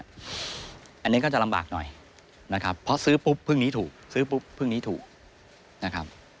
อันนี้ก็จะลำบากหน่อยนะครับเพราะซื้อปุ๊บพึ่งนี้ถูกซื้อปุ๊บพึ่งนี้ถูกนะครับ